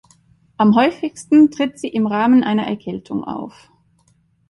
Am häufigsten tritt sie im Rahmen einer Erkältung auf.